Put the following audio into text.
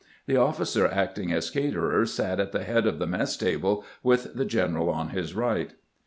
The officer acting as caterer sat at the head of the mess table, with the general on his right.